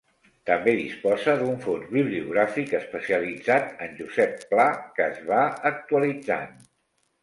També disposa d'un fons bibliogràfic especialitzat en Josep Pla que es va actualitzant.